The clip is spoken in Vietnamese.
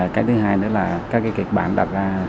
cái thứ hai nữa là các kịch bản đặt ra